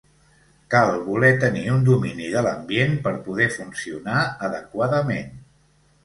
Cal voler tenir un domini de l'ambient per poder funcionar adequadament.